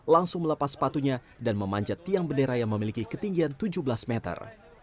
langsung melepas sepatunya dan memanjat tiang bendera yang memiliki ketinggian tujuh belas meter